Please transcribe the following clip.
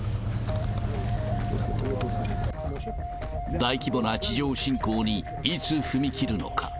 大規模な地上侵攻にいつ踏み切るのか。